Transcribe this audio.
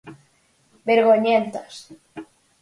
Vergoñentas.